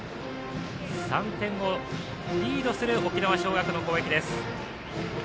３点をリードする沖縄尚学の攻撃です。